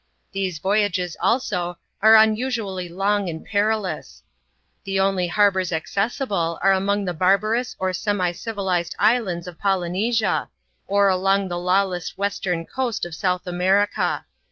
These voyages, also, are un usually long and perilous; the only harbours accessible are among the barbarous or semi civilized islands of Polynesia, or along the lawless western coast of South America.